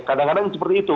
kadang kadang seperti itu